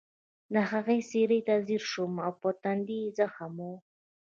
د هغې څېرې ته ځیر شوم او په ټنډه یې زخم و